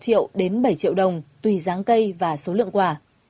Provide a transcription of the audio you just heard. một triệu đến bảy triệu đồng tùy dáng cây và số lượng quả